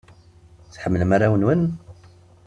Tḥemmlem arraw-nwen?